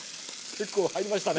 結構入りましたね。